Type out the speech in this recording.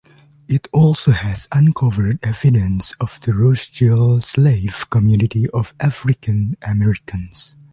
It also has uncovered evidence of the Rosegill slave community of African Americans.